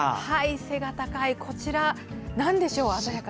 背が高いこちらはなんでしょうか。